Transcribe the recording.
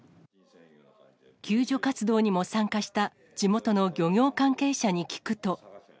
救助活動にも参加した地元の漁業関係者に聞くと。